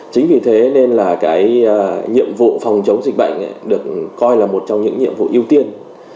chính vì thế nên là cái nhiệm vụ phòng chống dịch bệnh được coi là một trong những nhiệm vụ ưu tiên